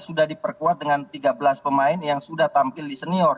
sudah diperkuat dengan tiga belas pemain yang sudah tampil di senior